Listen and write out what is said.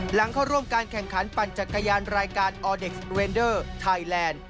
เข้าร่วมการแข่งขันปั่นจักรยานรายการออเด็กซ์เรนเดอร์ไทยแลนด์